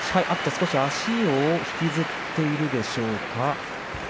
少し足を引きずっているでしょうか。